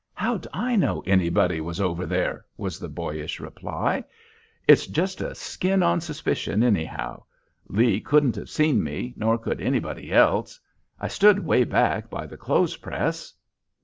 "How'd I know anybody was over there?" was the boyish reply. "It's just a skin on suspicion anyhow. Lee couldn't have seen me, nor could anybody else. I stood way back by the clothes press."